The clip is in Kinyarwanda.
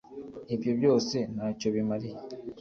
ibyo byose nta cyo bimariye .